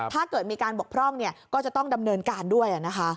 ถ้าเกิดมีการบกพร่องก็จะต้องดำเนินการด้วย